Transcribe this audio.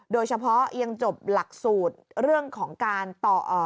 โดยเฉพาะยังจบหลักสูตรเรื่องของการต่อเอ่อ